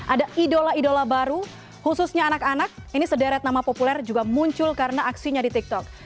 ada idola idola baru khususnya anak anak ini sederet nama populer juga muncul karena aksinya di tiktok